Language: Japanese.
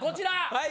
はい。